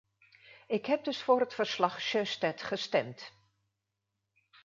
Ik heb dus voor het verslag-Sjöstedt gestemd.